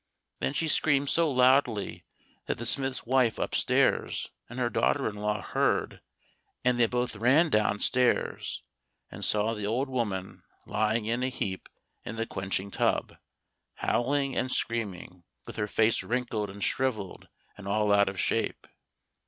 Then she screamed so loudly that the smith's wife upstairs and her daughter in law heard, and they both ran downstairs, and saw the old woman lying in a heap in the quenching tub, howling and screaming, with her face wrinkled and shrivelled and all out of shape.